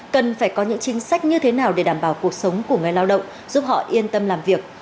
cần phải có những chính sách như thế nào để đảm bảo cuộc sống của người lao động giúp họ yên tâm làm việc